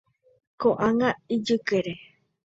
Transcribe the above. Ko'ág̃a ijykére.